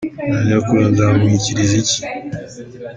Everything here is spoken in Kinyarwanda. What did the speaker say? Nanyakura nzamwakiriza iki?